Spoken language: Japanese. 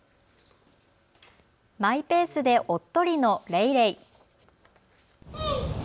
マイペースでおっとりのレイレイ。